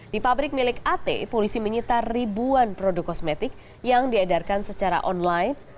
di pabrik milik at polisi menyita ribuan produk kosmetik yang diedarkan secara online